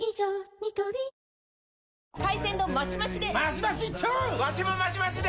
ニトリ海鮮丼マシマシで！